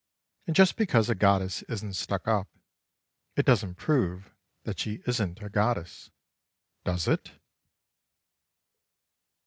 And just because a goddess isn't stuck up it doesn't prove that she isn't a goddess—does it?